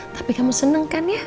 tapi kamu seneng kan ya